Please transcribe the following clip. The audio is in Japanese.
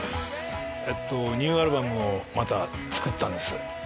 ニューアルバムをまた作ったんです。